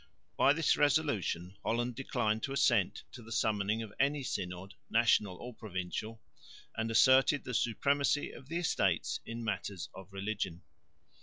By this resolution Holland declined to assent to the summoning of any Synod, National or Provincial, and asserted the supremacy of the Estates in matters of religion.